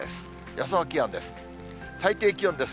予想気温です。